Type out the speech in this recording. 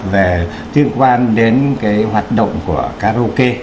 về tuyên quan đến cái hoạt động của karaoke